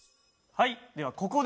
はい。